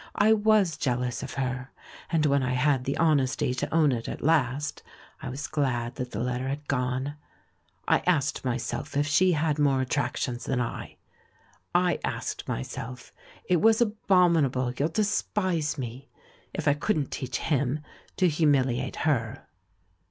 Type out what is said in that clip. I was jealous of her, and when I had the honesty to own it at last, I was glad that the letter had gone. I asked myself if she had more attractions than I ; I asked myself — it was abominable, you'll despise me !— if I couldn't teach bun to humiliate her.